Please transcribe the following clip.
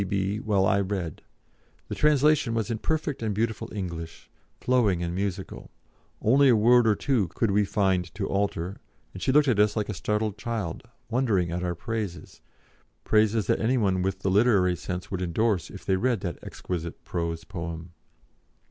P.B. while I read. The translation was in perfect and beautiful English, flowing and musical; only a word or two could we find to alter, and she looked at us like a startled child, wondering at our praises praises that any one with the literary sense would endorse if they read that exquisite prose poem.